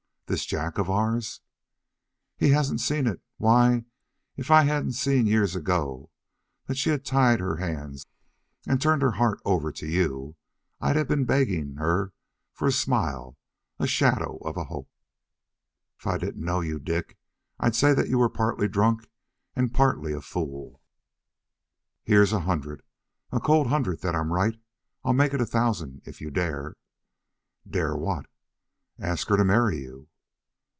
This Jack of ours?" "He hasn't seen it! Why, if I hadn't seen years ago that she had tied her hands and turned her heart over to you, I'd have been begging her for a smile, a shadow of a hope." "If I didn't know you, Dick, I'd say that you were partly drunk and partly a fool." "Here's a hundred a cold hundred that I'm right. I'll make it a thousand, if you dare." "Dare what?" "Ask her to marry you."